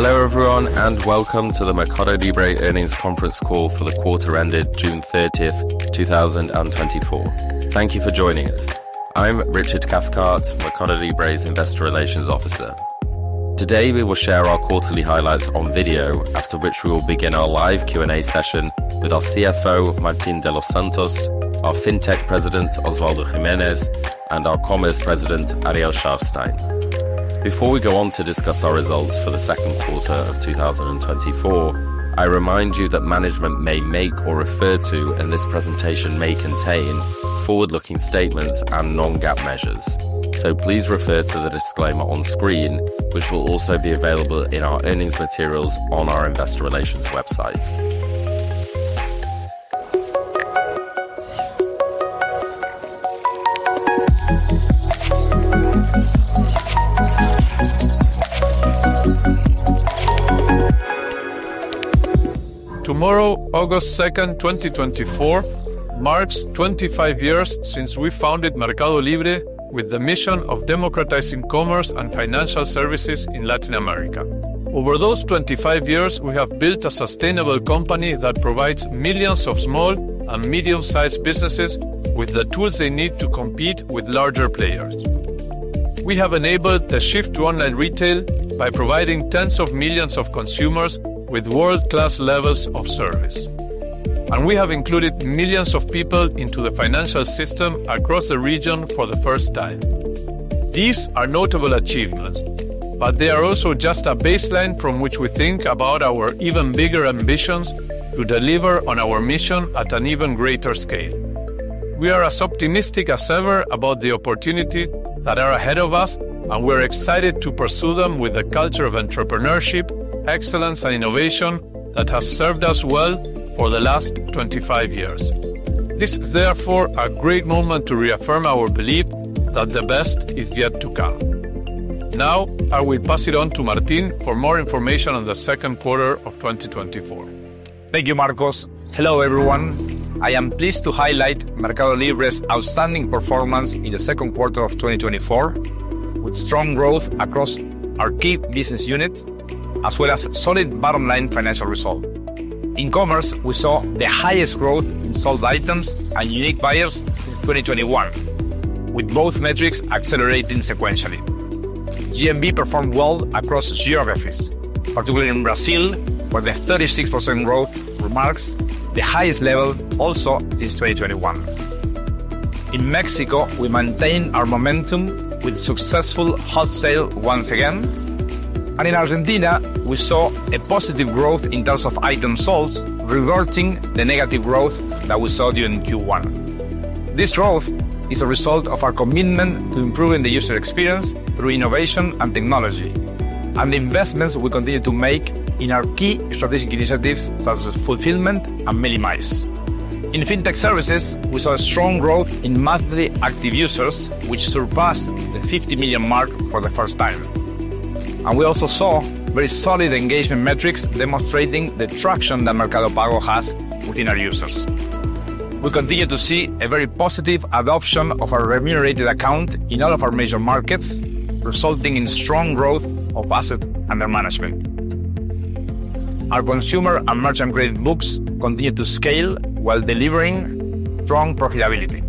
Hello, everyone, and welcome to the Mercado Libre Earnings Conference Call for the quarter ended June 30, 2024. Thank you for joining us. I'm Richard Cathcart, Mercado Libre's Investor Relations Officer. Today, we will share our quarterly highlights on video, after which we will begin our live Q&A session with our CFO, Martin de los Santos, our Fintech President, Osvaldo Giménez, and our Commerce President, Ariel Szarfsztejn. Before we go on to discuss our results for the second quarter of 2024, I remind you that management may make or refer to, and this presentation may contain, forward-looking statements and non-GAAP measures. So please refer to the disclaimer on screen, which will also be available in our earnings materials on our investor relations website. Tomorrow, August 2, 2024, marks 25 years since we founded Mercado Libre with the mission of democratizing commerce and financial services in Latin America. Over those 25 years, we have built a sustainable company that provides millions of small and medium-sized businesses with the tools they need to compete with larger players. We have enabled the shift to online retail by providing tens of millions of consumers with world-class levels of service, and we have included millions of people into the financial system across the region for the first time. These are notable achievements, but they are also just a baseline from which we think about our even bigger ambitions to deliver on our mission at an even greater scale. We are as optimistic as ever about the opportunities that are ahead of us, and we're excited to pursue them with a culture of entrepreneurship, excellence, and innovation that has served us well for the last 25 years. This is therefore a great moment to reaffirm our belief that the best is yet to come. Now, I will pass it on to Martin for more information on the second quarter of 2024. Thank you, Marcos. Hello, everyone. I am pleased to highlight Mercado Libre's outstanding performance in the second quarter of 2024, with strong growth across our key business units, as well as solid bottom-line financial result. In commerce, we saw the highest growth in sold items and unique buyers in 2021, with both metrics accelerating sequentially. GMV performed well across geographies, particularly in Brazil, where the 36% growth marks the highest level also since 2021. In Mexico, we maintained our momentum with successful Hot Sale once again, and in Argentina, we saw a positive growth in terms of item sales, reverting the negative growth that we saw during Q1. This growth is a result of our commitment to improving the user experience through innovation and technology, and the investments we continue to make in our key strategic initiatives, such as fulfillment and Meli+. In fintech services, we saw a strong growth in monthly active users, which surpassed the 50 million mark for the first time. We also saw very solid engagement metrics demonstrating the traction that Mercado Pago has within our users. We continue to see a very positive adoption of our remunerated account in all of our major markets, resulting in strong growth of assets under management. Our consumer and merchant credit books continue to scale while delivering strong profitability.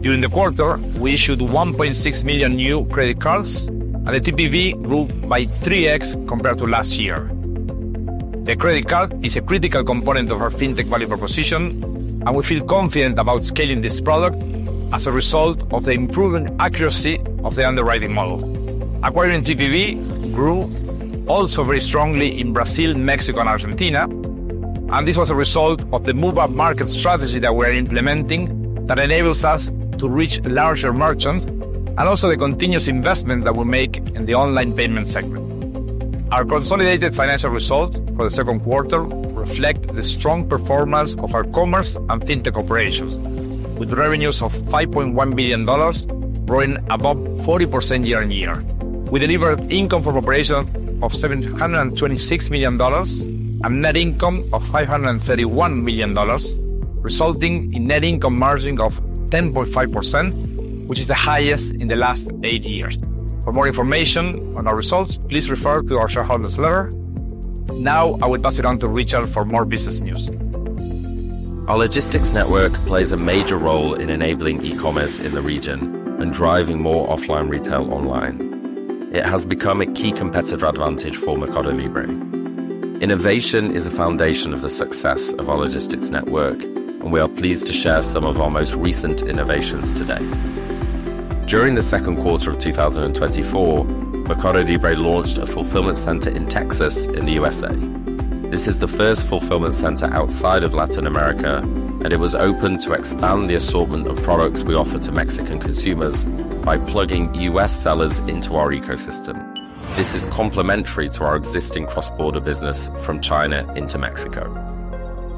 During the quarter, we issued 1.6 million new credit cards, and the TPV grew by 3x compared to last year. The credit card is a critical component of our fintech value proposition, and we feel confident about scaling this product as a result of the improving accuracy of the underwriting model. Acquiring TPV grew also very strongly in Brazil, Mexico, and Argentina, and this was a result of the move-up market strategy that we're implementing that enables us to reach larger merchants, and also the continuous investments that we make in the online payment segment. Our consolidated financial results for the second quarter reflect the strong performance of our commerce and fintech operations, with revenues of $5.1 billion, growing above 40% year-on-year. We delivered income from operations of $726 million, and net income of $531 million, resulting in net income margin of 10.5%, which is the highest in the last 8 years. For more information on our results, please refer to our shareholder's letter. Now, I will pass it on to Richard for more business news. Our logistics network plays a major role in enabling e-commerce in the region and driving more offline retail online. It has become a key competitive advantage for Mercado Libre. Innovation is a foundation of the success of our logistics network, and we are pleased to share some of our most recent innovations today. During the second quarter of 2024, Mercado Libre launched a fulfillment center in Texas, in the USA. This is the first fulfillment center outside of Latin America, and it was opened to expand the assortment of products we offer to Mexican consumers by plugging U.S. sellers into our ecosystem. This is complementary to our existing cross-border business from China into Mexico.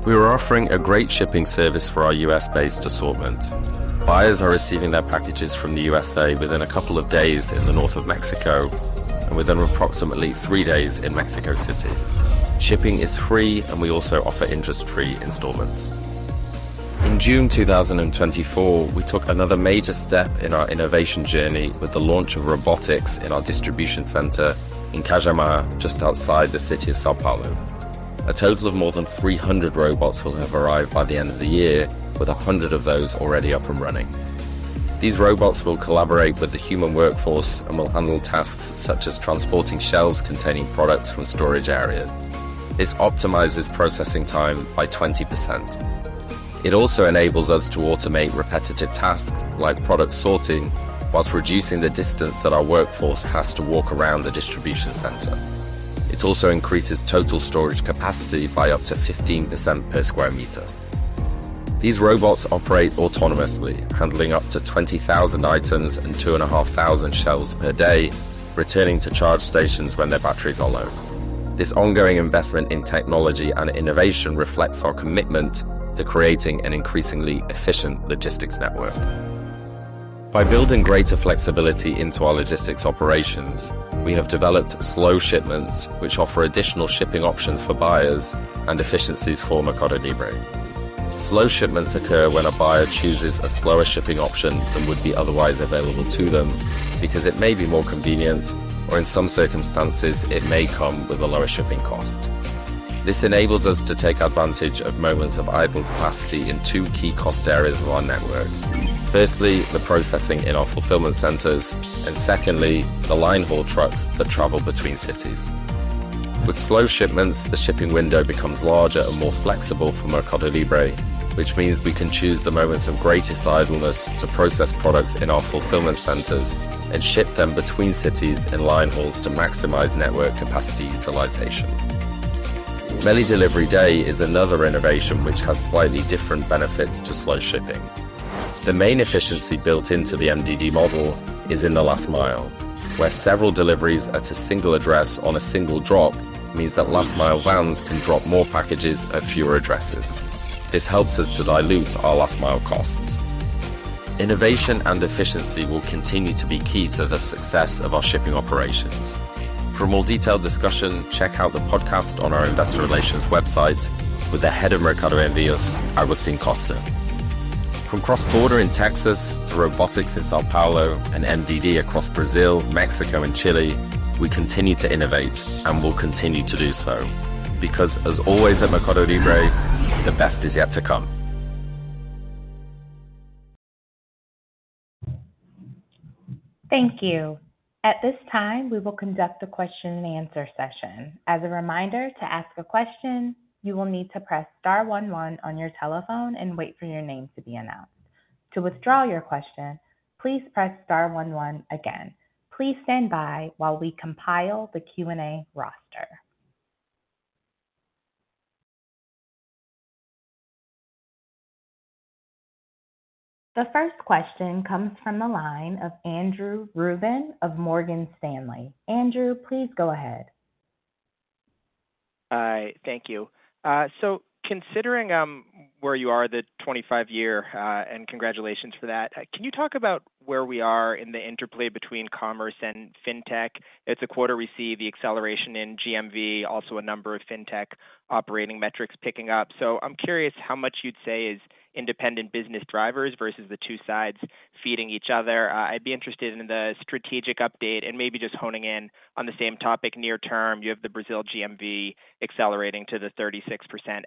We are offering a great shipping service for our U.S.-based assortment. Buyers are receiving their packages from the USA within a couple of days in the north of Mexico, and within approximately three days in Mexico City. Shipping is free, and we also offer interest-free installments. In June 2024, we took another major step in our innovation journey with the launch of robotics in our distribution center in Cajamar, just outside the city of São Osvaldo. A total of more than 300 robots will have arrived by the end of the year, with 100 of those already up and running. These robots will collaborate with the human workforce and will handle tasks such as transporting shelves containing products from storage areas. This optimizes processing time by 20%. It also enables us to automate repetitive tasks, like product sorting, while reducing the distance that our workforce has to walk around the distribution center. It also increases total storage capacity by up to 15% per square meter. These robots operate autonomously, handling up to 20,000 items and 2,500 shelves per day, returning to charge stations when their batteries are low. This ongoing investment in technology and innovation reflects our commitment to creating an increasingly efficient logistics network. By building greater flexibility into our logistics operations, we have developed slow shipments, which offer additional shipping options for buyers and efficiencies for Mercado Libre. Slow shipments occur when a buyer chooses a slower shipping option than would be otherwise available to them, because it may be more convenient, or in some circumstances, it may come with a lower shipping cost. This enables us to take advantage of moments of idle capacity in two key cost areas of our network. Firstly, the processing in our fulfillment centers, and secondly, the line haul trucks that travel between cities. With slow shipments, the shipping window becomes larger and more flexible for Mercado Libre, which means we can choose the moments of greatest idleness to process products in our fulfillment centers and ship them between cities and line hauls to maximize network capacity utilization. Meli Delivery Day is another innovation which has slightly different benefits to slow shipping. The main efficiency built into the MDD model is in the last mile, where several deliveries at a single address on a single drop means that last mile vans can drop more packages at fewer addresses. This helps us to dilute our last mile costs. Innovation and efficiency will continue to be key to the success of our shipping operations. For a more detailed discussion, check out the podcast on our investor relations website with the head of Mercado Envíos, Agustín Costa. From cross-border in Texas to robotics in São Paulo and MDD across Brazil, Mexico, and Chile, we continue to innovate and will continue to do so, because as always at Mercado Libre, the best is yet to come. Thank you. At this time, we will conduct a question and answer session. As a reminder, to ask a question, you will need to press star one one on your telephone and wait for your name to be announced. To withdraw your question, please press star one one again. Please stand by while we compile the Q&A roster. The first question comes from the line of Andrew Ruben of Morgan Stanley. Andrew, please go ahead. Hi, thank you. So considering where you are, the 25-year, and congratulations for that, can you talk about where we are in the interplay between commerce and fintech? It's a quarter we see the acceleration in GMV, also a number of fintech operating metrics picking up. So I'm curious how much you'd say is independent business drivers versus the two sides feeding each other. I'd be interested in the strategic update and maybe just honing in on the same topic. Near term, you have the Brazil GMV accelerating to the 36%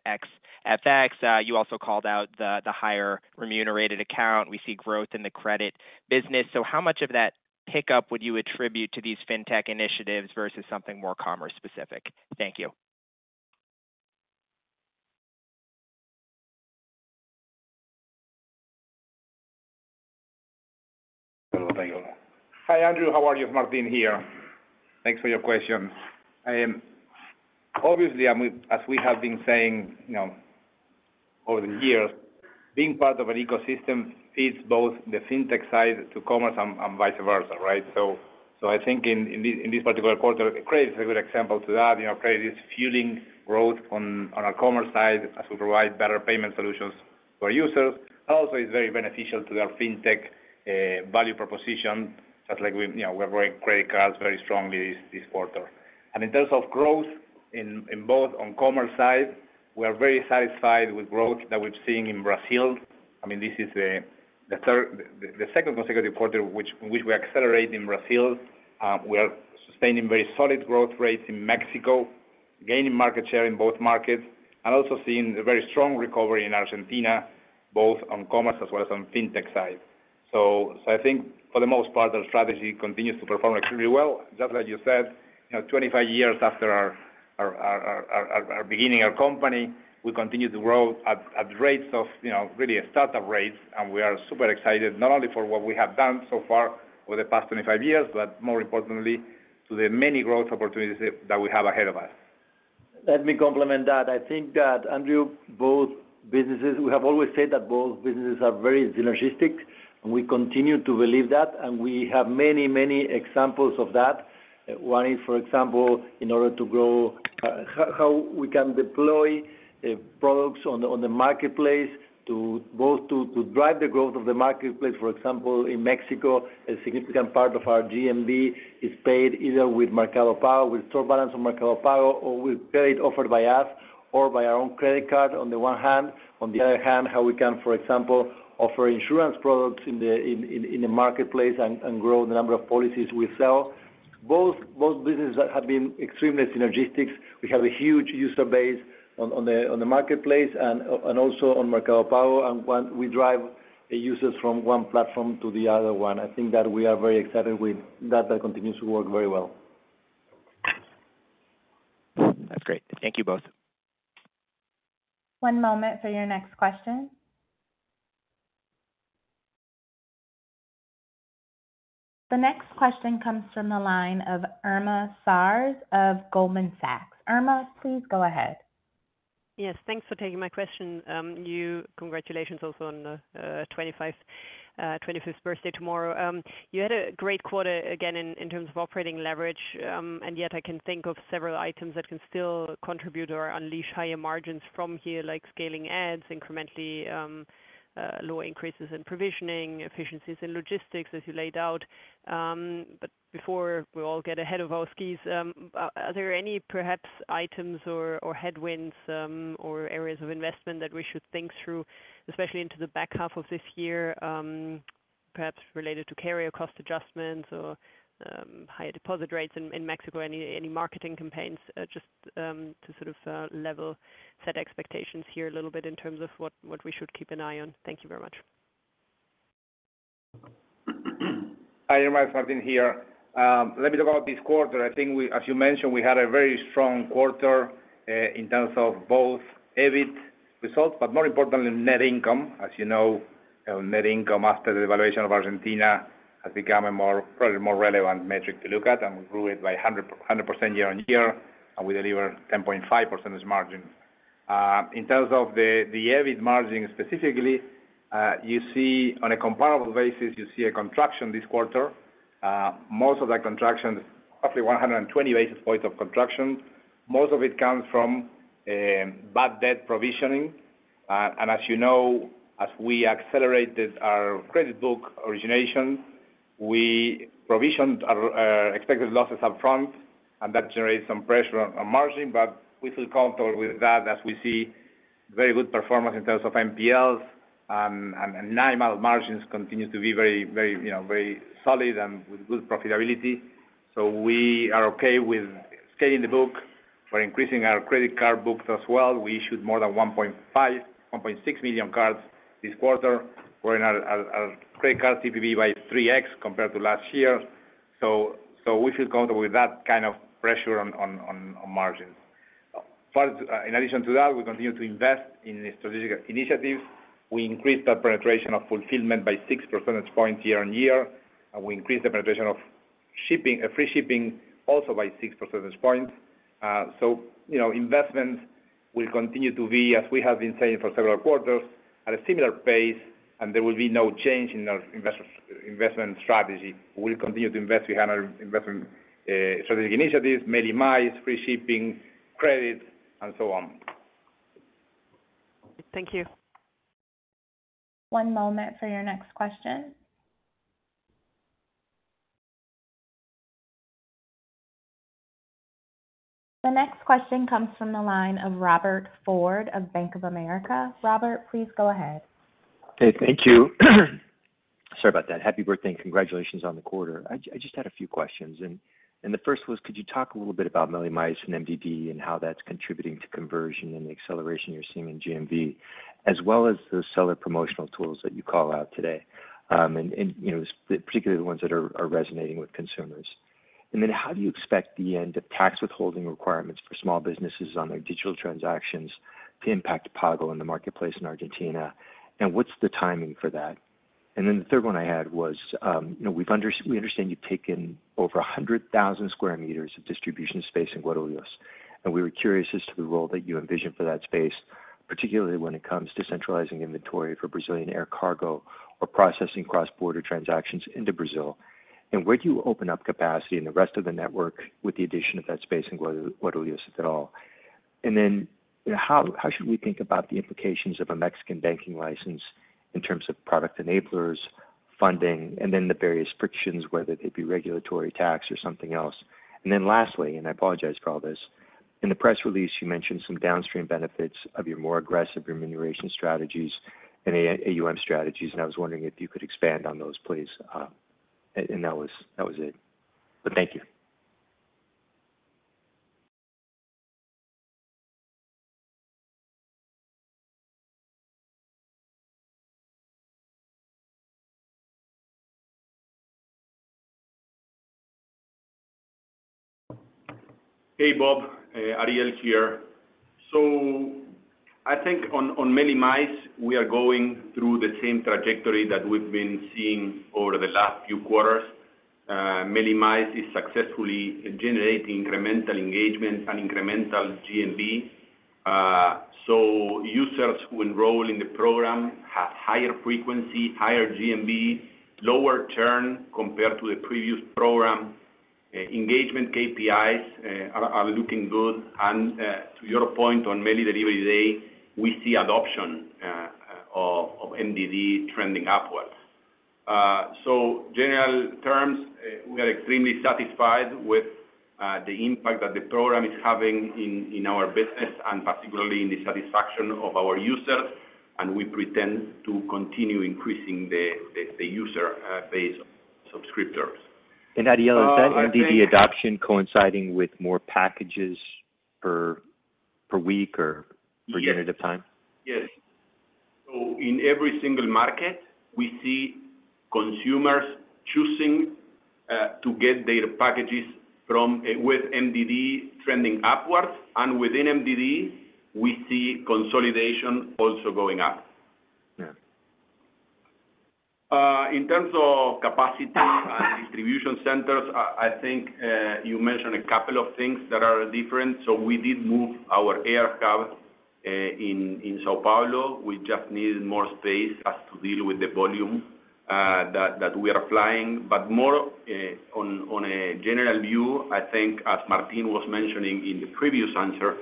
ex FX. You also called out the higher remunerated account. We see growth in the credit business. So how much of that pickup would you attribute to these fintech initiatives versus something more commerce specific? Thank you. Hi, Andrew. How are you? Martin here. Thanks for your question. I am obviously, as we have been saying, you know, over the years, being part of an ecosystem fits both the fintech side to commerce and vice versa, right? So I think in this particular quarter, credit is a good example to that. You know, credit is fueling growth on our commerce side as we provide better payment solutions for users. Also, it's very beneficial to our fintech value proposition, such like we, you know, we're growing credit cards very strongly this quarter. And in terms of growth in both on commerce side, we are very satisfied with growth that we've seen in Brazil. I mean, this is the second consecutive quarter which we accelerate in Brazil. We are sustaining very solid growth rates in Mexico, gaining market share in both markets, and also seeing a very strong recovery in Argentina, both on commerce as well as on fintech side. So I think for the most part, our strategy continues to perform extremely well. Just like you said, you know, 25 years after our beginning, our company, we continue to grow at rates of, you know, really a startup rates. We are super excited not only for what we have done so far over the past 25 years, but more importantly, to the many growth opportunities that we have ahead of us. Let me complement that. I think that, Andrew, both businesses, we have always said that both businesses are very synergistic, and we continue to believe that, and we have many, many examples of that. One is, for example, in order to grow, how we can deploy products on the marketplace to both drive the growth of the marketplace. For example, in Mexico, a significant part of our GMV is paid either with Mercado Pago, with store balance on Mercado Pago, or with credit offered by us or by our own credit card, on the one hand. On the other hand, how we can, for example, offer insurance products in the marketplace and grow the number of policies we sell. Both businesses have been extremely synergistic. We have a huge user base on the marketplace and also on Mercado Pago. When we drive the users from one platform to the other one, I think that we are very excited with that, that continues to work very well. That's great. Thank you both. One moment for your next question. The next question comes from the line of Irma Sgarz of Goldman Sachs. Irma, please go ahead. Yes, thanks for taking my question. Congratulations also on the 25th birthday tomorrow. You had a great quarter again, in terms of operating leverage, and yet I can think of several items that can still contribute or unleash higher margins from here, like scaling ads incrementally, lower increases in provisioning, efficiencies in logistics as you laid out. But before we all get ahead of our skis, are there any perhaps items or headwinds, or areas of investment that we should think through, especially into the back half of this year, perhaps related to carrier cost adjustments or higher deposit rates in Mexico, any marketing campaigns? Just to sort of level-set expectations here a little bit in terms of what we should keep an eye on. Thank you very much. Hi, Irma, Martin here. Let me talk about this quarter. I think we—as you mentioned, we had a very strong quarter in terms of both EBIT results, but more importantly, net income. As you know, net income after the evaluation of Argentina has become a more, probably more relevant metric to look at, and we grew it by 100% year-over-year, and we deliver 10.5% as margin. In terms of the EBIT margin, specifically, you see, on a comparable basis, you see a contraction this quarter. Most of that contraction, roughly 120 basis points of contraction, most of it comes from bad debt provisioning. As you know, as we accelerated our credit book origination, we provisioned our expected losses upfront, and that generated some pressure on margin, but we feel comfortable with that as we see very good performance in terms of NPLs. And nine-month margins continue to be very, very, you know, very solid and with good profitability. So we are okay with scaling the book. We're increasing our credit card books as well. We issued more than 1.5-1.6 million cards this quarter. We're in a credit card TPV by 3x compared to last year, so we feel comfortable with that kind of pressure on margins. First, in addition to that, we continue to invest in strategic initiatives. We increased the penetration of fulfillment by 6 percentage points year-on-year, and we increased the penetration of shipping, free shipping also by 6 percentage points. So, you know, investments will continue to be, as we have been saying for several quarters, at a similar pace, and there will be no change in our investment strategy. We'll continue to invest behind our investment, strategic initiatives, Meli Miles, free shipping, credit, and so on. Thank you. One moment for your next question. The next question comes from the line of Robert Ford of Bank of America. Robert, please go ahead. Hey, thank you. Sorry about that. Happy birthday, and congratulations on the quarter. I just had a few questions, and the first was, could you talk a little bit about Meli Miles and MDD and how that's contributing to conversion and the acceleration you're seeing in GMV, as well as the seller promotional tools that you called out today, and you know, particularly the ones that are resonating with consumers? And then how do you expect the end of tax withholding requirements for small businesses on their digital transactions to impact Pago in the marketplace in Argentina, and what's the timing for that? And then the third one I had was, you know, we understand you've taken over 100,000 square meters of distribution space in Guarulhos, and we were curious as to the role that you envision for that space, particularly when it comes to centralizing inventory for Brazilian air cargo or processing cross-border transactions into Brazil. Where do you open up capacity in the rest of the network with the addition of that space in Guarulhos, if at all? And then, how should we think about the implications of a Mexican banking license in terms of product enablers, funding, and then the various frictions, whether they be regulatory tax or something else? And then lastly, and I apologize for all this, in the press release, you mentioned some downstream benefits of your more aggressive remuneration strategies and AUM strategies, and I was wondering if you could expand on those, please, and that was, that was it. But thank you. Hey, Bob, Ariel here. So I think on Meli Miles, we are going through the same trajectory that we've been seeing over the last few quarters. Meli Miles is successfully generating incremental engagement and incremental GMV.... So users who enroll in the program have higher frequency, higher GMV, lower churn compared to the previous program. Engagement KPIs are looking good. And to your point on Meli Delivery Day, we see adoption of MDD trending upwards. So in general terms, we are extremely satisfied with the impact that the program is having in our business, and particularly in the satisfaction of our users, and we intend to continue increasing the user base subscribers. Ariel, is that MDD adoption coinciding with more packages per week or- Yes. Per unit of time? Yes. So in every single market, we see consumers choosing to get their packages from with MDD trending upwards, and within MDD, we see consolidation also going up. Yeah. In terms of capacity and distribution centers, I think you mentioned a couple of things that are different. So we did move our air hub in São Paulo. We just needed more space as to deal with the volume that we are applying. But more on a general view, I think as Martin was mentioning in the previous answer,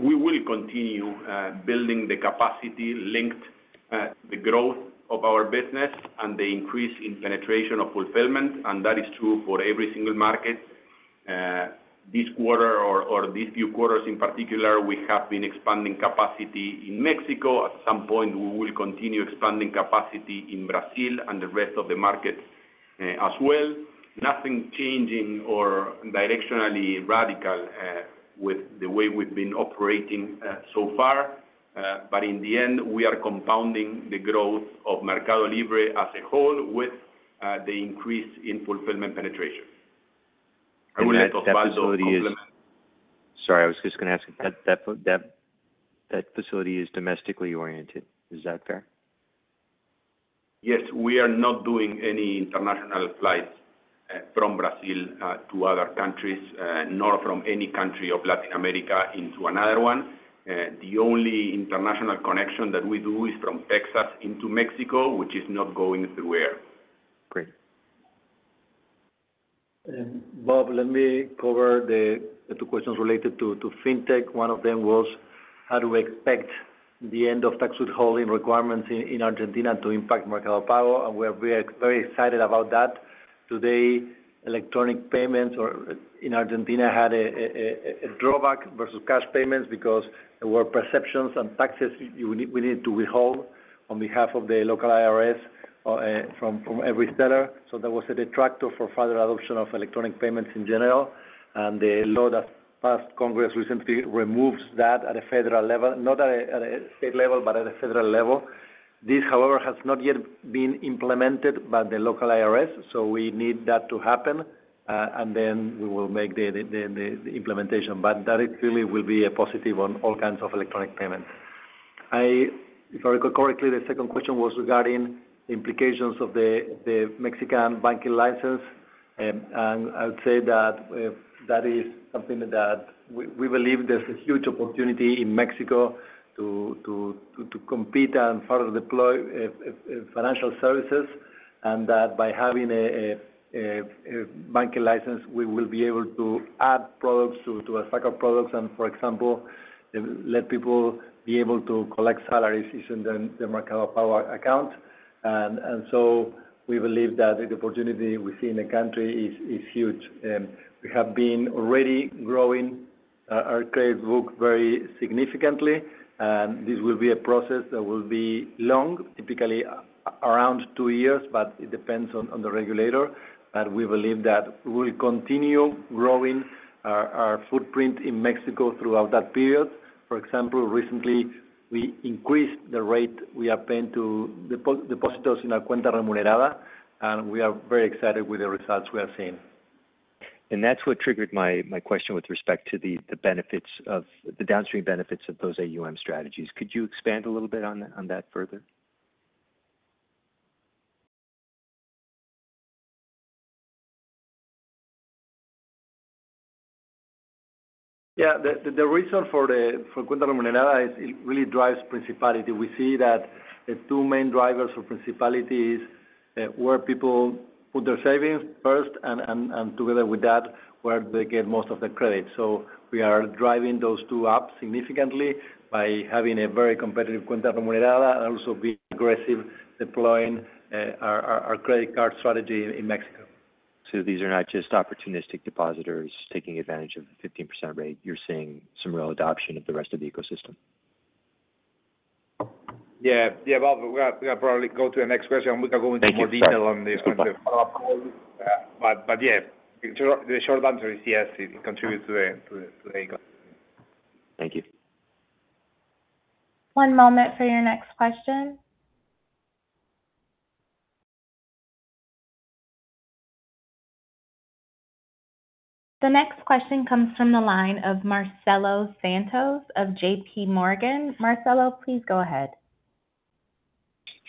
we will continue building the capacity linked the growth of our business and the increase in penetration of fulfillment, and that is true for every single market. This quarter or these few quarters in particular, we have been expanding capacity in Mexico. At some point, we will continue expanding capacity in Brazil and the rest of the markets as well. Nothing changing or directionally radical with the way we've been operating so far. In the end, we are compounding the growth of Mercado Libre as a whole with the increase in fulfillment penetration. That facility is- Osvaldo compliment- Sorry, I was just gonna ask, that facility is domestically oriented. Is that fair? Yes. We are not doing any international flights from Brazil to other countries nor from any country of Latin America into another one. The only international connection that we do is from Texas into Mexico, which is not going through air. Great. Bob, let me cover the two questions related to Fintech. One of them was, how do we expect the end of tax withholding requirements in Argentina to impact Mercado Pago? We are very excited about that. Today, electronic payments in Argentina had a drawback versus cash payments because there were perceptions and taxes we need to withhold on behalf of the local IRS from every seller. So that was a detractor for further adoption of electronic payments in general. The law that passed Congress recently removes that at a federal level, not at a state level, but at a federal level. This, however, has not yet been implemented by the local IRS, so we need that to happen, and then we will make the implementation. But that really will be a positive on all kinds of electronic payments. If I recall correctly, the second question was regarding implications of the Mexican banking license. And I would say that that is something that we believe there's a huge opportunity in Mexico to compete and further deploy financial services, and that by having a banking license, we will be able to add products to a stack of products, and for example, let people be able to collect salaries using the Mercado Pago account. And so we believe that the opportunity we see in the country is huge. We have been already growing our credit book very significantly, and this will be a process that will be long, typically around two years, but it depends on the regulator. But we believe that we'll continue growing our footprint in Mexico throughout that period. For example, recently, we increased the rate we are paying to depositors in our Cuenta Remunerada, and we are very excited with the results we are seeing. That's what triggered my question with respect to the benefits of... the downstream benefits of those AUM strategies. Could you expand a little bit on that further? Yeah. The reason for the Cuenta Remunerada is it really drives principal. We see that the two main drivers for principal is where people put their savings first, and together with that, where they get most of the credit. We are driving those two up significantly by having a very competitive Cuenta Remunerada, and also being aggressive, deploying our credit card strategy in Mexico. So these are not just opportunistic depositors taking advantage of the 15% rate, you're seeing some real adoption of the rest of the ecosystem? Yeah. Yeah, Bob, we are, we are probably go to the next question, and we can go into more detail on this- Thank you, sir. On the follow-up call. But yeah, the short answer is yes, it contributes to the ecosystem. Thank you. One moment for your next question. The next question comes from the line of Marcelo Santos of J.P. Morgan. Marcelo, please go ahead....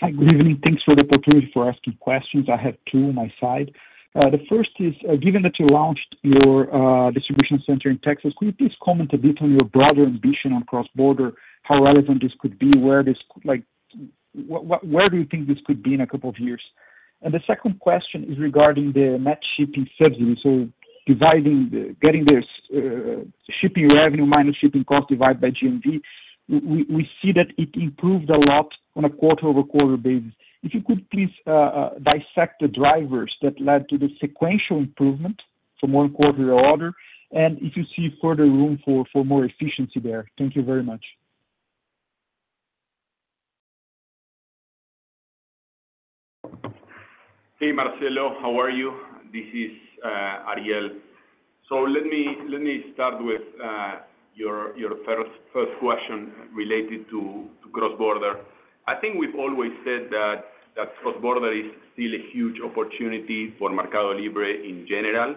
Hi, good evening. Thanks for the opportunity for asking questions. I have two on my side. The first is, given that you launched your distribution center in Texas, could you please comment a bit on your broader ambition on cross-border? How relevant this could be, where this like, where do you think this could be in a couple of years? And the second question is regarding the net shipping subsidy. So dividing, getting this, shipping revenue minus shipping cost divided by GMV, we see that it improved a lot on a quarter-over-quarter basis. If you could please, dissect the drivers that led to the sequential improvement from one quarter to the other, and if you see further room for more efficiency there. Thank you very much. Hey, Marcelo, how are you? This is Ariel. So let me start with your first question related to cross-border. I think we've always said that cross-border is still a huge opportunity for Mercado Libre in general.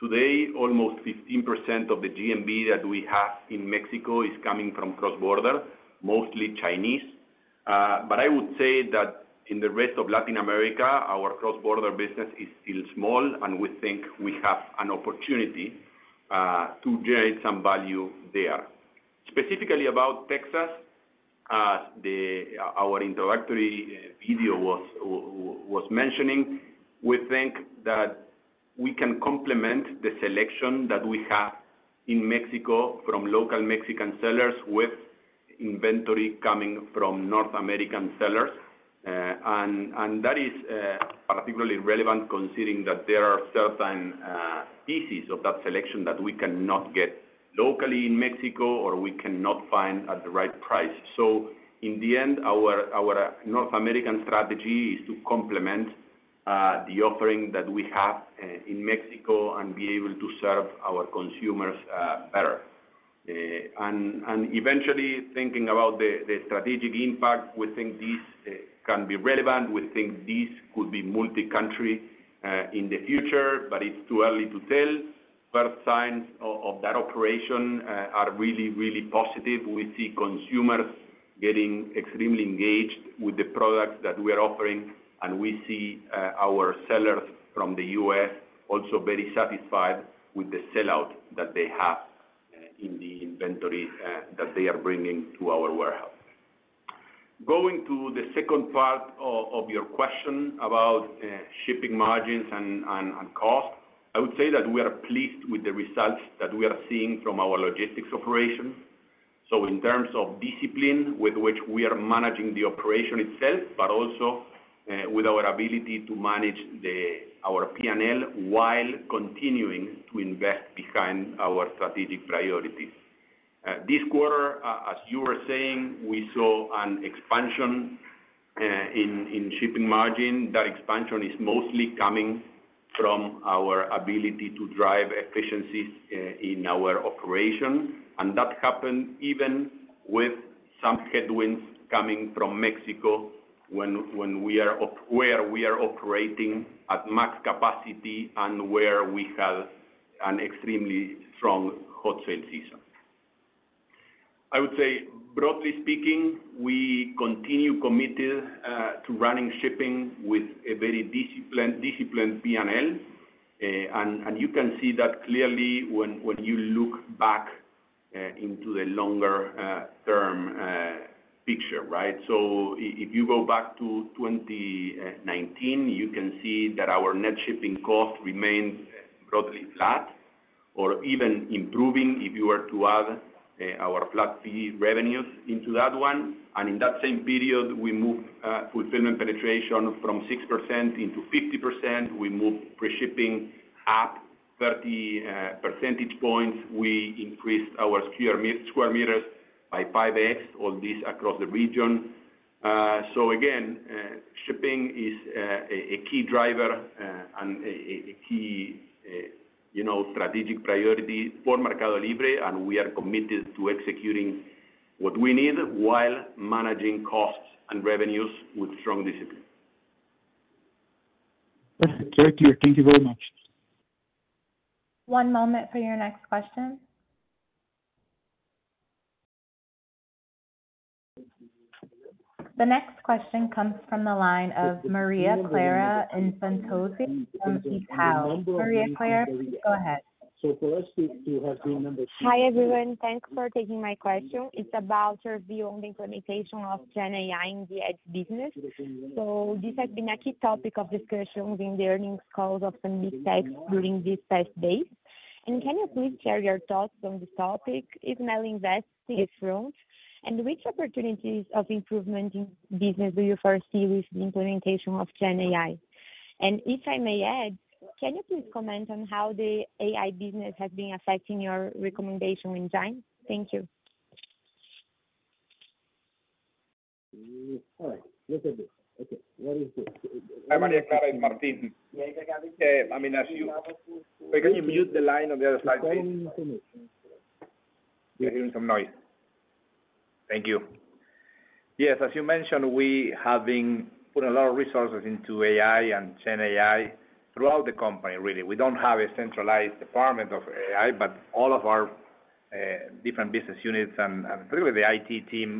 Today, almost 15% of the GMV that we have in Mexico is coming from cross-border, mostly Chinese. But I would say that in the rest of Latin America, our cross-border business is still small, and we think we have an opportunity to generate some value there. Specifically, about Texas, our introductory video was mentioning, we think that we can complement the selection that we have in Mexico from local Mexican sellers with inventory coming from North American sellers. That is particularly relevant considering that there are certain pieces of that selection that we cannot get locally in Mexico or we cannot find at the right price. So in the end, our North American strategy is to complement the offering that we have in Mexico and be able to serve our consumers better. And eventually, thinking about the strategic impact, we think this can be relevant. We think this could be multi-country in the future, but it's too early to tell. But signs of that operation are really, really positive. We see consumers getting extremely engaged with the products that we are offering, and we see our sellers from the US also very satisfied with the sellout that they have in the inventory that they are bringing to our warehouse. Going to the second part of your question about shipping margins and cost. I would say that we are pleased with the results that we are seeing from our logistics operation. So in terms of discipline with which we are managing the operation itself, but also with our ability to manage our PNL, while continuing to invest behind our strategic priorities. This quarter, as you were saying, we saw an expansion in shipping margin. That expansion is mostly coming from our ability to drive efficiencies in our operation, and that happened even with some headwinds coming from Mexico, when we are operating at max capacity and where we have an extremely strong Hot Sale season. I would say, broadly speaking, we continue committed to running shipping with a very disciplined PNL. And you can see that clearly when you look back into the longer-term picture, right? So if you go back to 2019, you can see that our net shipping cost remains broadly flat or even improving if you were to add our flat fee revenues into that one. And in that same period, we moved fulfillment penetration from 6% into 50%. We moved free shipping up 30 percentage points. We increased our square meters by 5x, all this across the region. So again, shipping is a key driver and a key, you know, strategic priority for Mercado Libre, and we are committed to executing what we need while managing costs and revenues with strong discipline. Very clear. Thank you very much. One moment for your next question. The next question comes from the line of Maria Clara Infantozzi from Itaú. Maria Clara, go ahead. So for us to have in number- Hi, everyone. Thanks for taking my question. It's about your view on the implementation of GenAI in the e-commerce business. So this has been a key topic of discussion within the earnings calls of the MELI-type during these past days. And can you please share your thoughts on this topic? Is MELI investing upfront? And which opportunities of improvement in business do you foresee with the implementation of GenAI? And if I may add, can you please comment on how the AI business has been affecting your recommendation rating? Thank you. All right. Look at this. Okay, what is this? Hi, María Clara, Martín. Wait, can you mute the line on the other side, please? We're hearing some noise. Thank you. Yes, as you mentioned, we have been putting a lot of resources into AI and Gen AI throughout the company, really. We don't have a centralized department of AI, but all of our-... different business units and really the IT team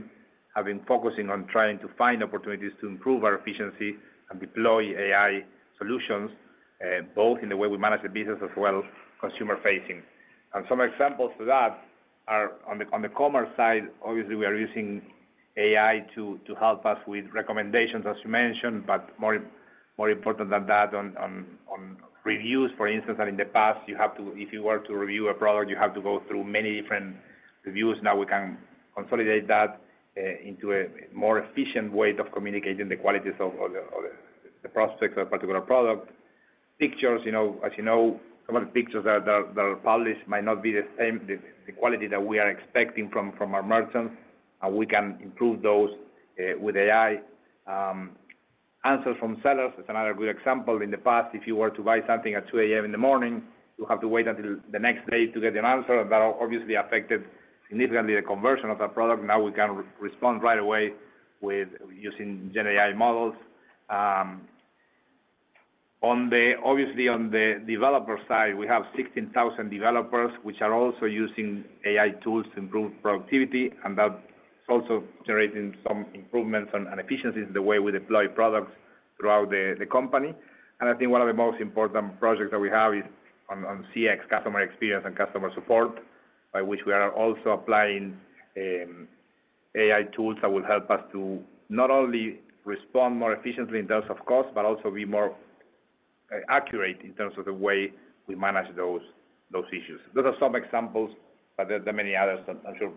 have been focusing on trying to find opportunities to improve our efficiency and deploy AI solutions, both in the way we manage the business as well, consumer-facing. And some examples to that are on the commerce side, obviously, we are using AI to help us with recommendations, as you mentioned, but more important than that, on reviews, for instance, that in the past, you have to, if you were to review a product, you have to go through many different reviews. Now we can consolidate that into a more efficient way of communicating the qualities of the prospects of a particular product. Pictures, you know, as you know, some of the pictures that are published might not be the same, the quality that we are expecting from our merchants, and we can improve those with AI. Answers from sellers is another good example. In the past, if you were to buy something at 2:00 A.M. in the morning, you have to wait until the next day to get an answer. That obviously affected significantly the conversion of that product. Now we can re-respond right away with using GenAI models. Obviously, on the developer side, we have 16,000 developers, which are also using AI tools to improve productivity, and that's also generating some improvements and efficiencies in the way we deploy products throughout the company. I think one of the most important projects that we have is on CX, customer experience and customer support, by which we are also applying AI tools that will help us to not only respond more efficiently in terms of cost, but also be more accurate in terms of the way we manage those issues. Those are some examples, but there are many others that I'm sure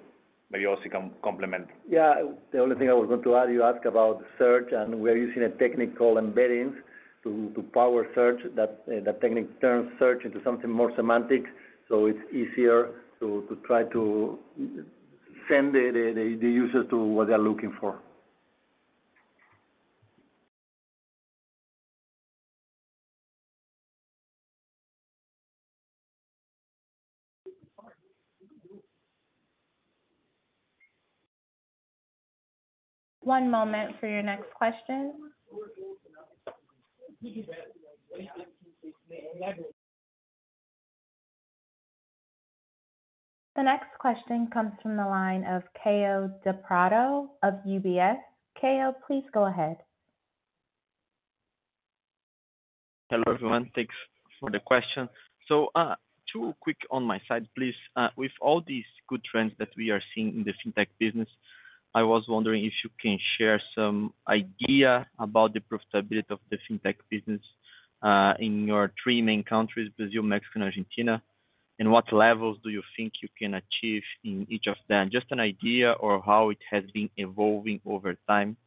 maybe you also complement. Yeah, the only thing I was going to add, you asked about search, and we're using a technique called embeddings to power search. That technique turns search into something more semantic, so it's easier to try to send the user to what they're looking for. One moment for your next question. The next question comes from the line of Kaio Prato of UBS. Kaio, please go ahead. Hello, everyone. Thanks for the question. So, two quick on my side, please. With all these good trends that we are seeing in the FinTech business, I was wondering if you can share some idea about the profitability of the FinTech business, in your three main countries, Brazil, Mexico, and Argentina. And what levels do you think you can achieve in each of them? Just an idea or how it has been evolving over time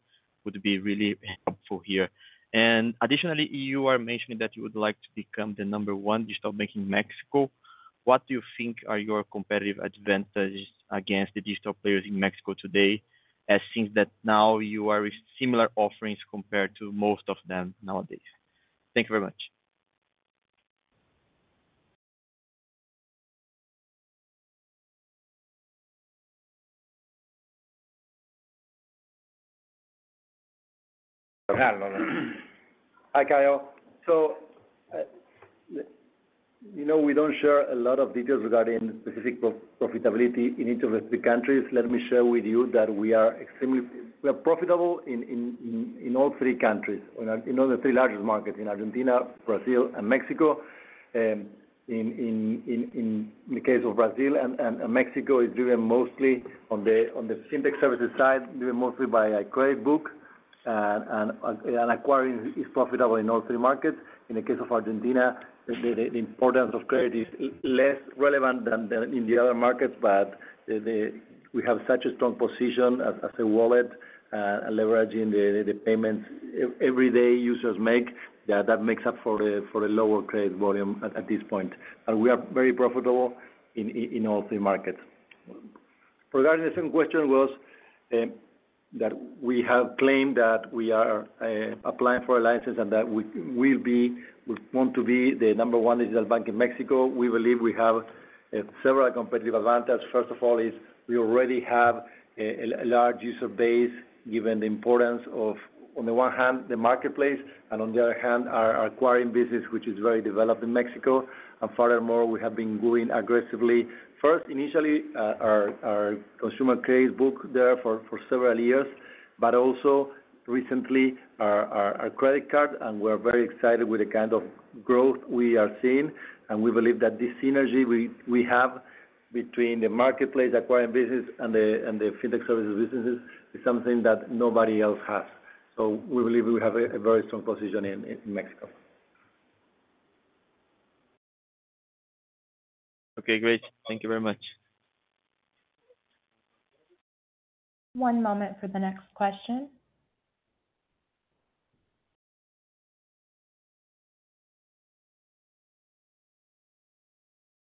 would be really helpful here. And additionally, you are mentioning that you would like to become the number one digital bank in Mexico. What do you think are your competitive advantages against the digital players in Mexico today, as since that now you are with similar offerings compared to most of them nowadays? Thank you very much. Hi, Kaio. So, you know, we don't share a lot of details regarding specific profitability in each of the three countries. Let me share with you that we are profitable in all three countries, in all the three largest markets, in Argentina, Brazil, and Mexico. In the case of Brazil and Mexico, it's driven mostly on the FinTech services side, driven mostly by a credit book, and acquiring is profitable in all three markets. In the case of Argentina, the importance of credit is less relevant than in the other markets, but we have such a strong position as a wallet, leveraging the payments every day users make, that makes up for the lower credit volume at this point. We are very profitable in all three markets. Regarding the second question was that we have claimed that we are applying for a license and that we will be. We want to be the number one digital bank in Mexico. We believe we have several competitive advantage. First of all, is we already have a large user base, given the importance of, on the one hand, the marketplace, and on the other hand, our acquiring business, which is very developed in Mexico. Furthermore, we have been growing aggressively, first, initially, our consumer credit book there for several years, but also recently, our credit card, and we're very excited with the kind of growth we are seeing. We believe that this synergy we have between the marketplace, acquiring business and the fintech services businesses, is something that nobody else has. So we believe we have a very strong position in Mexico. Okay, great. Thank you very much. One moment for the next question.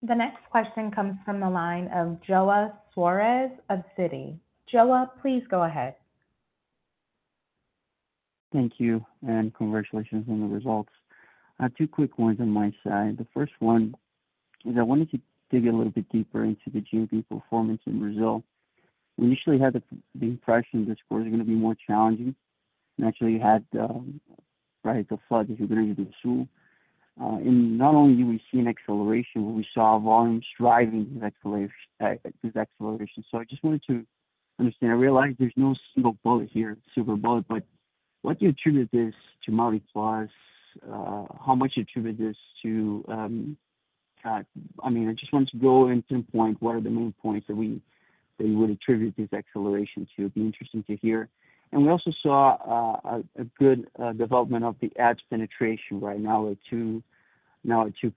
The next question comes from the line of João Soares of Citi. João, please go ahead. Thank you, and congratulations on the results. Two quick ones on my side. The first one is, I wanted to dig a little bit deeper into the GDP performance in Brazil. We initially had the impression this quarter is going to be more challenging, and actually had the flood that you're going into the zoo. And not only do we see an acceleration, but we saw volumes driving this acceleration, this acceleration. So I just wanted to understand. I realize there's no single bullet here, silver bullet, but what do you attribute this to Meli+? How much you attribute this to, I mean, I just want to go into point, what are the main points that you would attribute this acceleration to? It'd be interesting to hear. We also saw a good development of the ads penetration right now at 2, now at 2%,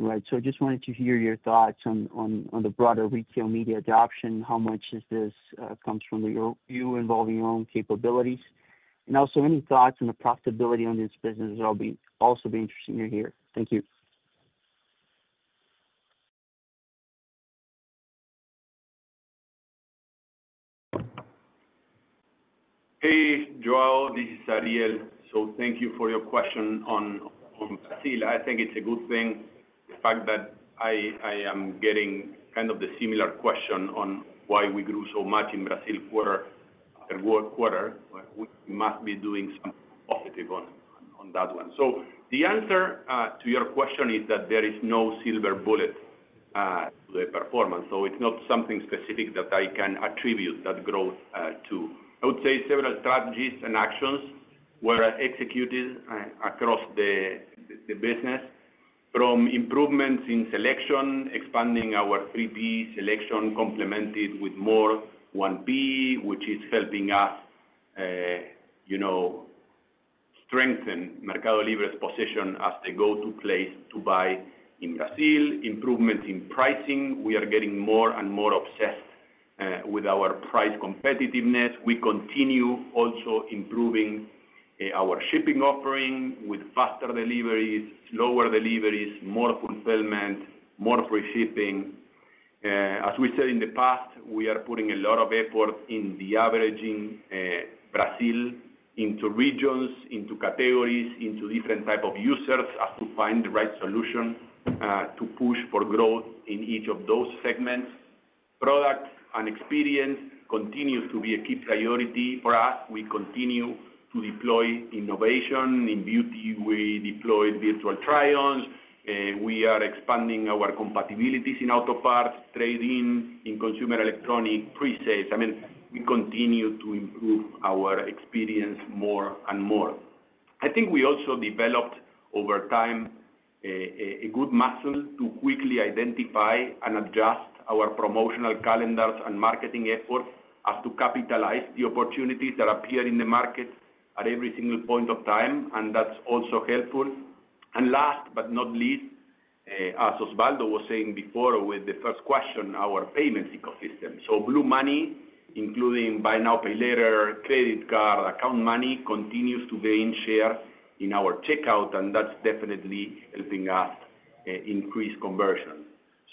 right? So I just wanted to hear your thoughts on the broader retail media adoption. How much is this comes from your view involving your own capabilities? And also, any thoughts on the profitability on this business, that'll also be interesting to hear. Thank you. Hey, Joel, this is Ariel. So thank you for your question on Brazil. I think it's a good thing, the fact that I am getting kind of the similar question on why we grew so much in Brazil quarter and world quarter, but we must be doing some positive on that one. So the answer to your question is that there is no silver bullet to the performance, so it's not something specific that I can attribute that growth to. I would say several strategies and actions were executed across the business, from improvements in selection, expanding our 3P selection, complemented with more 1P, which is helping us, you know, strengthen Mercado Libre's position as the go-to place to buy in Brazil. Improvement in pricing, we are getting more and more obsessed with our price competitiveness. We continue also improving our shipping offering with faster deliveries, lower deliveries, more fulfillment, more free shipping. As we said in the past, we are putting a lot of effort in expanding in Brazil into regions, into categories, into different type of users, as to find the right solution to push for growth in each of those segments. Products and experience continues to be a key priority for us. We continue to deploy innovation. In beauty, we deploy virtual try-ons, we are expanding our capabilities in auto parts, trade-in, in consumer electronics, pre-sales. I mean, we continue to improve our experience more and more. I think we also developed, over time, a good muscle to quickly identify and adjust our promotional calendars and marketing efforts, as to capitalize the opportunities that appear in the market at every single point of time, and that's also helpful. And last but not least, as Osvaldo was saying before with the first question, our payments ecosystem. So Blue Money, including buy now, pay later, credit card, account money, continues to gain share in our checkout, and that's definitely helping us increase conversion.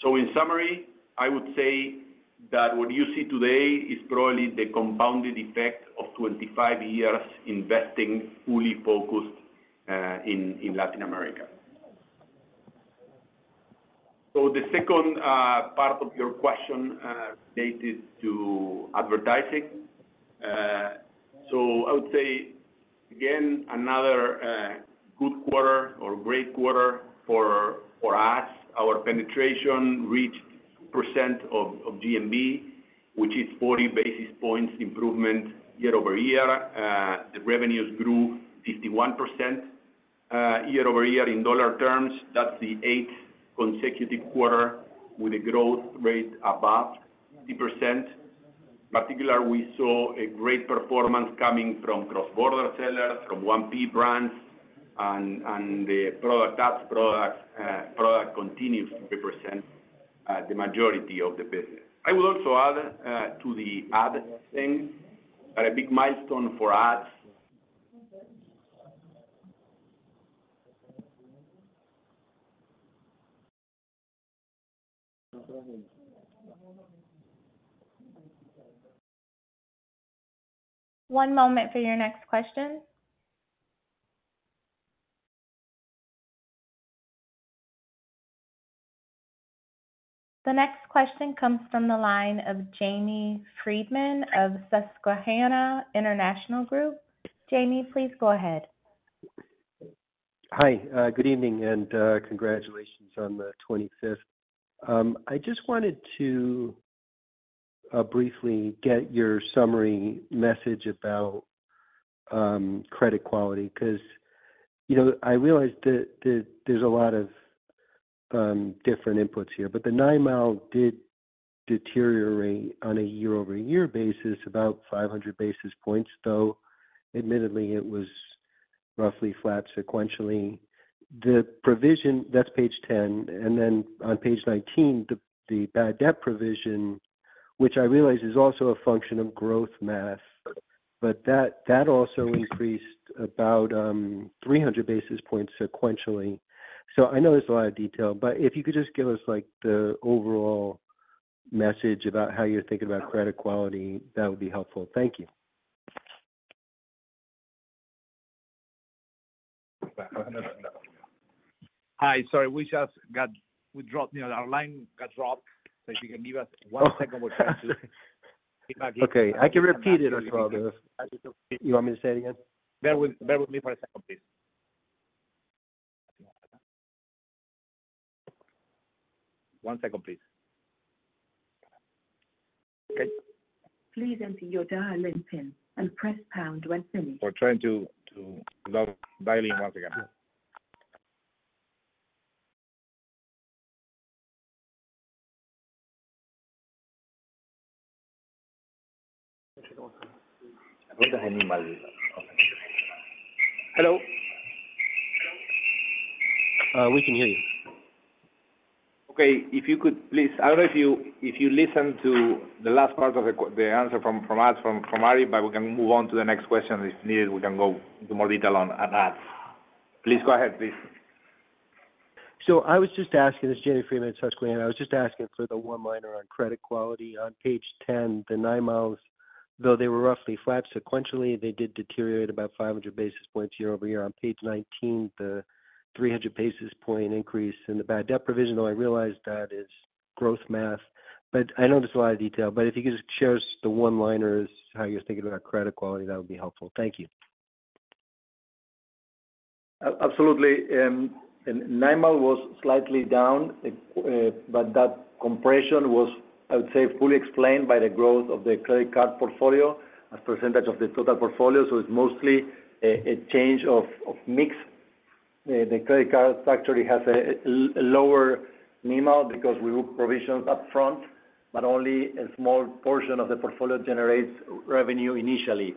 So in summary, I would say that what you see today is probably the compounded effect of 25 years investing, fully focused in Latin America. So the second part of your question related to advertising. So I would say, again, another good quarter or great quarter for us. Our penetration reached percent of, of GMV, which is 40 basis points improvement year-over-year. The revenues grew 51%, year-over-year in dollar terms. That's the eighth consecutive quarter with a growth rate above 50%. In particular, we saw a great performance coming from cross-border sellers, from 1P brands and, and the product, ads products. Product continues to represent the majority of the business. I would also add to the ad thing, but a big milestone for us- One moment for your next question. The next question comes from the line of Jamie Friedman of Susquehanna International Group. Jamie, please go ahead. Hi, good evening, and, congratulations on the 25th. I just wanted to briefly get your summary message about, credit quality, 'cause, you know, I realize that, that there's a lot of, different inputs here, but the NIM did deteriorate on a year-over-year basis, about 500 basis points, though admittedly it was roughly flat sequentially. The provision, that's page 10, and then on page 19, the, the bad debt provision, which I realize is also a function of GMV, but that, that also increased about, three hundred basis points sequentially. So I know there's a lot of detail, but if you could just give us, like, the overall message about how you're thinking about credit quality, that would be helpful. Thank you.... Hi, sorry, we just got- we dropped, you know, our line got dropped. So if you can give us one second, we'll try to get back in. Okay, I can repeat it as well. You want me to say it again? Bear with, bear with me for a second, please. One second, please. Okay. Please enter your dial-in PIN and press pound when finished. We're trying to dial in once again. Hello? We can hear you. Okay. If you could please, I don't know if you listened to the last part of the answer from us, from Ari, but we can move on to the next question. If needed, we can go into more detail on that. Please go ahead, please. So I was just asking, this is Jenny Freeman, Susquehanna. I was just asking for the one-liner on credit quality. On page 10, the nine months, though they were roughly flat sequentially, they did deteriorate about 500 basis points year-over-year. On page 19, the 300 basis point increase in the bad debt provision, though I realize that is growth math. But I know there's a lot of detail, but if you could just share us the one-liners, how you're thinking about credit quality, that would be helpful. Thank you. Absolutely, and NIM was slightly down, but that compression was, I would say, fully explained by the growth of the credit card portfolio as percentage of the total portfolio. So it's mostly a change of mix. The credit card actually has a lower NIM because we book provisions up front, but only a small portion of the portfolio generates revenue initially.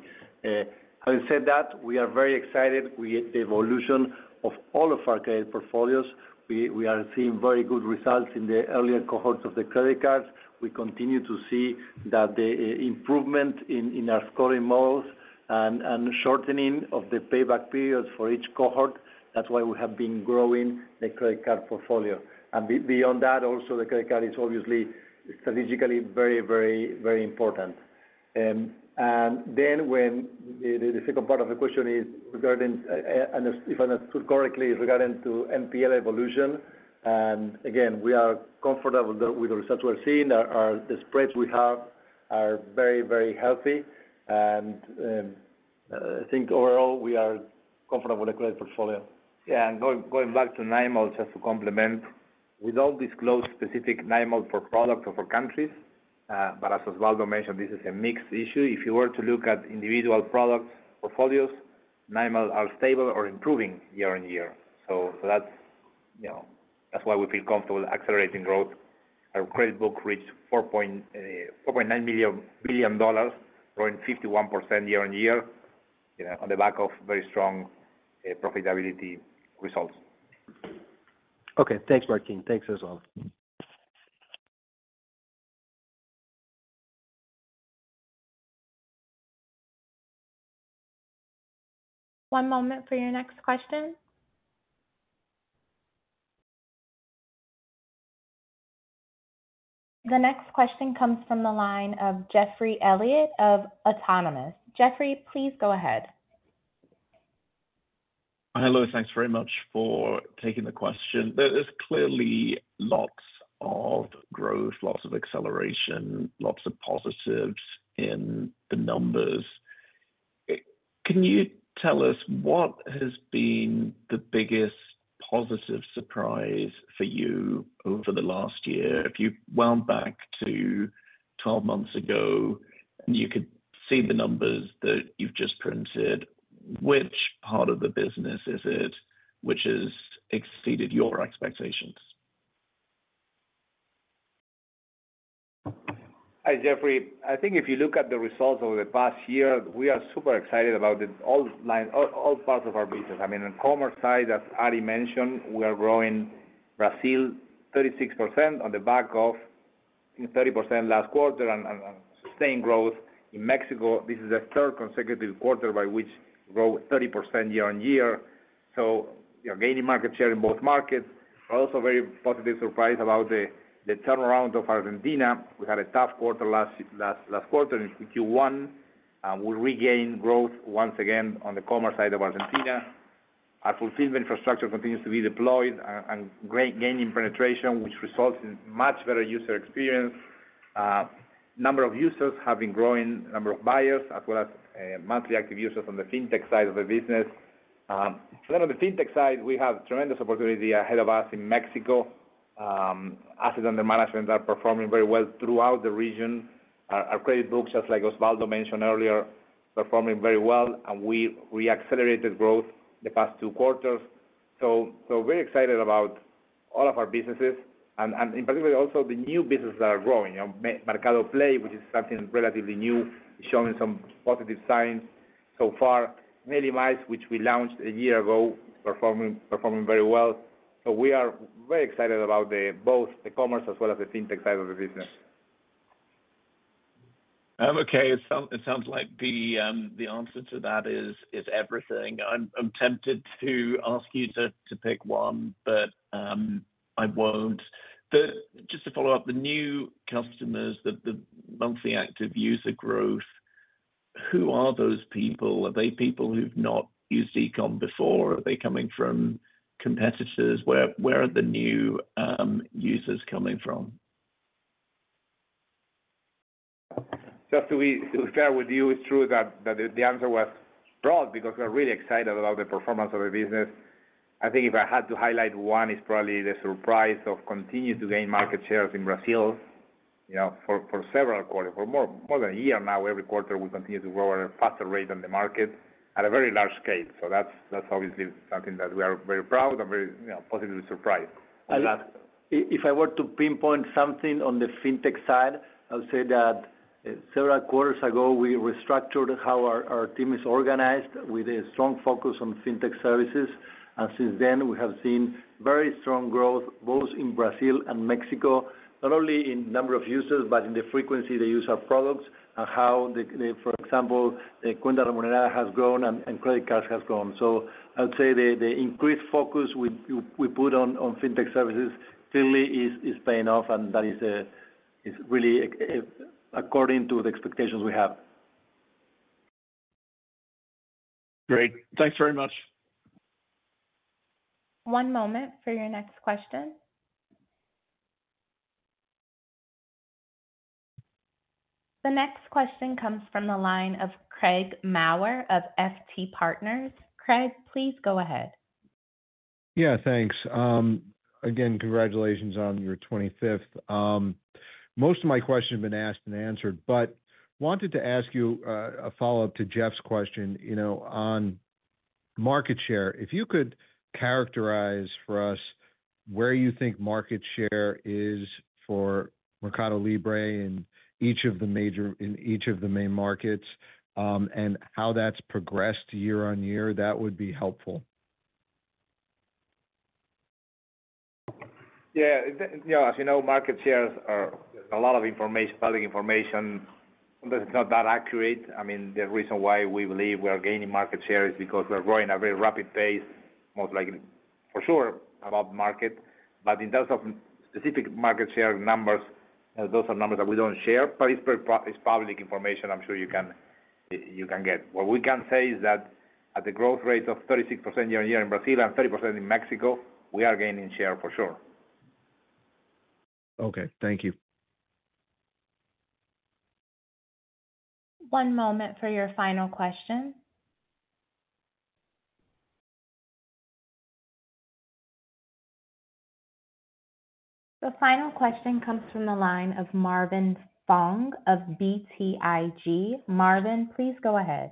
Having said that, we are very excited with the evolution of all of our credit portfolios. We are seeing very good results in the earlier cohorts of the credit cards. We continue to see that the improvement in our scoring models and shortening of the payback periods for each cohort, that's why we have been growing the credit card portfolio. And beyond that, also, the credit card is obviously strategically very, very, very important. And then the second part of the question is regarding, and if I understood correctly, is regarding to NPL evolution. And again, we are comfortable with the results we're seeing. The spreads we have are very, very healthy, and I think overall, we are comfortable with the credit portfolio. Yeah, and going back to NIM, just to complement. We don't disclose specific NIM for product or for countries, but as Osvaldo mentioned, this is a mixed issue. If you were to look at individual products, portfolios, NIM are stable or improving year-on-year. So that's, you know, that's why we feel comfortable with accelerating growth. Our credit book reached $4.9 billion, growing 51% year-on-year, you know, on the back of very strong profitability results. Okay, thanks, Joaquin. Thanks, Osvaldo. One moment for your next question. The next question comes from the line of Geoffrey Elliott of Autonomous. Geoffrey, please go ahead. Hello, thanks very much for taking the question. There is clearly lots of growth, lots of acceleration, lots of positives in the numbers. Can you tell us what has been the biggest positive surprise for you over the last year? If you wound back to 12 months ago, and you could see the numbers that you've just printed, which part of the business is it which has exceeded your expectations? Hi, Geoffrey. I think if you look at the results over the past year, we are super excited about the online, all parts of our business. I mean, on commerce side, as Ari mentioned, we are growing Brazil 36% on the back of 30% last quarter and sustained growth. In Mexico, this is the third consecutive quarter by which we grow 30% year-over-year, so we are gaining market share in both markets. We're also very positively surprised about the turnaround of Argentina. We had a tough quarter last quarter in Q1, and we regained growth once again on the commerce side of Argentina. Our fulfillment infrastructure continues to be deployed and great gain in penetration, which results in much better user experience. Number of users have been growing, number of buyers, as well as monthly active users on the Fintech side of the business. So then on the Fintech side, we have tremendous opportunity ahead of us in Mexico. Assets under management are performing very well throughout the region. Our, our credit books, just like Osvaldo mentioned earlier, performing very well, and we, we accelerated growth the past two quarters. So, so very excited about all of our businesses and, and in particular, also the new businesses that are growing. You know, Mercado Play, which is something relatively new, showing some positive signs so far. Meli Miles, which we launched a year ago, performing, performing very well. So we are very excited about the both the commerce as well as the Fintech side of the business. Okay. It sounds like the answer to that is everything. I'm tempted to ask you to pick one, but I won't. Just to follow up, the new customers, the monthly active user growth—who are those people? Are they people who've not used e-com before, or are they coming from competitors? Where are the new users coming from? Just to be fair with you, it's true that the answer was broad because we're really excited about the performance of the business. I think if I had to highlight one, it's probably the surprise of continuing to gain market shares in Brazil, you know, for several quarters, for more than a year now, every quarter we continue to grow at a faster rate than the market at a very large scale. So that's obviously something that we are very proud and very, you know, positively surprised at that. If I were to pinpoint something on the fintech side, I would say that several quarters ago, we restructured how our team is organized with a strong focus on fintech services. Since then, we have seen very strong growth, both in Brazil and Mexico, not only in number of users, but in the frequency they use our products and how, for example, the Cuenta Remunerada has grown and credit card has grown. So I would say the increased focus we put on fintech services clearly is paying off, and that is really according to the expectations we have. Great. Thanks very much. One moment for your next question. The next question comes from the line of Craig Maurer of FT Partners. Craig, please go ahead. Yeah, thanks. Again, congratulations on your 25th. Most of my questions have been asked and answered, but wanted to ask you, a follow-up to Jeff's question, you know, on market share. If you could characterize for us where you think market share is for Mercado Libre in each of the major- in each of the main markets, and how that's progressed year on year, that would be helpful. Yeah, the, you know, as you know, market shares are a lot of information, public information, but it's not that accurate. I mean, the reason why we believe we are gaining market share is because we are growing at a very rapid pace, most likely, for sure, above market. But in terms of specific market share numbers, those are numbers that we don't share, but it's per- it's public information. I'm sure you can, you can get. What we can say is that at the growth rate of 36% year-on-year in Brazil and 30% in Mexico, we are gaining share for sure. Okay, thank you. One moment for your final question. The final question comes from the line of Marvin Fong of BTIG. Marvin, please go ahead.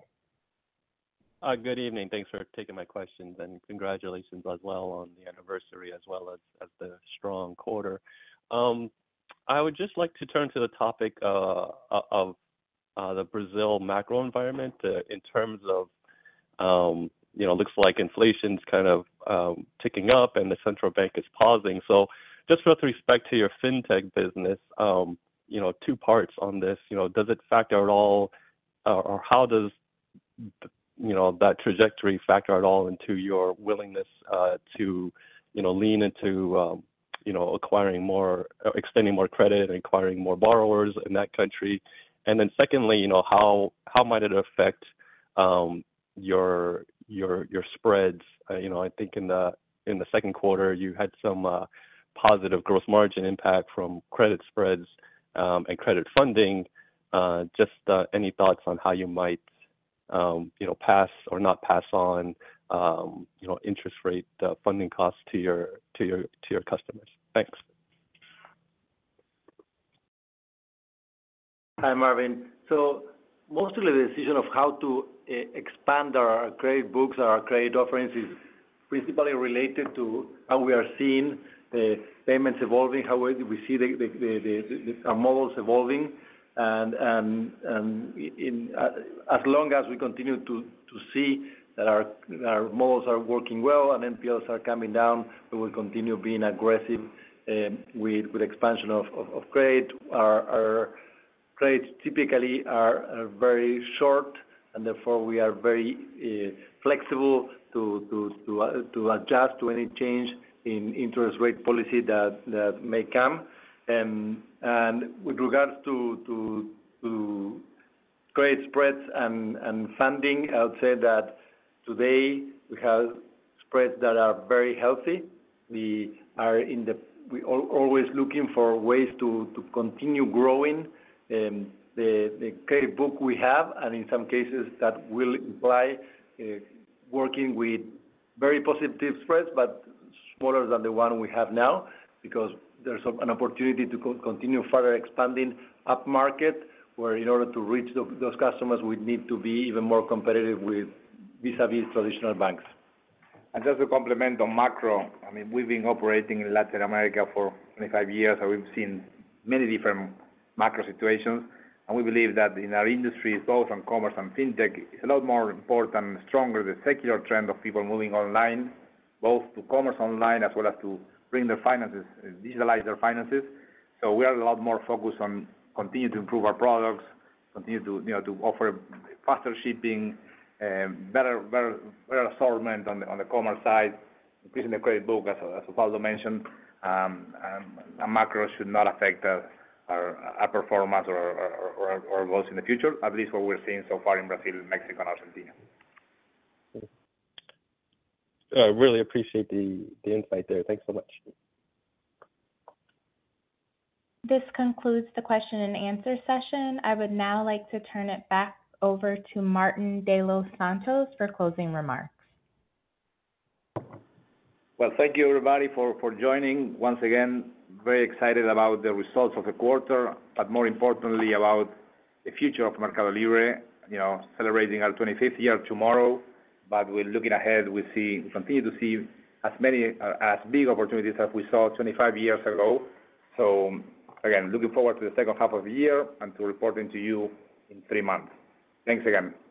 Good evening. Thanks for taking my questions, and congratulations as well on the anniversary, as well as the strong quarter. I would just like to turn to the topic of the Brazil macro environment, in terms of, you know, looks like inflation's kind of ticking up and the central bank is pausing. So just with respect to your fintech business, you know, two parts on this. You know, does it factor at all, or how does, you know, that trajectory factor at all into your willingness to, you know, lean into, you know, acquiring more-- extending more credit and acquiring more borrowers in that country? And then secondly, you know, how might it affect your spreads? You know, I think in the second quarter, you had some positive gross margin impact from credit spreads and credit funding. Just any thoughts on how you might, you know, pass or not pass on, you know, interest rate funding costs to your customers? Thanks. Hi, Marvin. So mostly the decision of how to expand our credit books, our credit offerings, is principally related to how we are seeing the payments evolving, how we see our models evolving. As long as we continue to see that our models are working well and NPLs are coming down, we will continue being aggressive with expansion of credit. Our credits typically are very short, and therefore, we are very flexible to adjust to any change in interest rate policy that may come. With regards to credit spreads and funding, I would say that today, we have spreads that are very healthy. We are always looking for ways to continue growing the credit book we have, and in some cases, that will imply working with very positive spreads, but smaller than the one we have now, because there's an opportunity to continue further expanding upmarket, where in order to reach those customers, we'd need to be even more competitive vis-à-vis traditional banks. And just to complement on macro, I mean, we've been operating in Latin America for 25 years, and we've seen many different macro situations. And we believe that in our industry, both on commerce and fintech, a lot more important and stronger, the secular trend of people moving online, both to commerce online as well as to bring their finances, digitalize their finances. So we are a lot more focused on continuing to improve our products, continue to, you know, to offer faster shipping, better assortment on the commerce side, increasing the credit book, as Paulo mentioned. And macro should not affect our growth in the future, at least what we're seeing so far in Brazil, Mexico, and Argentina. Really appreciate the insight there. Thanks so much. This concludes the question and answer session. I would now like to turn it back over to Martín de los Santos for closing remarks. Well, thank you, everybody, for joining. Once again, very excited about the results of the quarter, but more importantly, about the future of Mercado Libre, you know, celebrating our 25th year tomorrow. But we're looking ahead, we see we continue to see as many as big opportunities as we saw 25 years ago. So again, looking forward to the second half of the year and to reporting to you in three months. Thanks again.